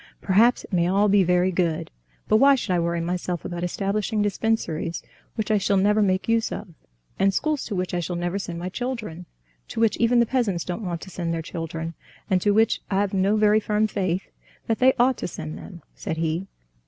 "Perhaps it may all be very good; but why should I worry myself about establishing dispensaries which I shall never make use of, and schools to which I shall never send my children, to which even the peasants don't want to send their children, and to which I've no very firm faith that they ought to send them?" said he.